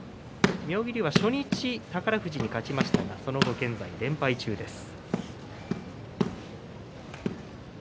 妙義龍は初日、宝富士に勝ちましたがその後、現在連敗中です。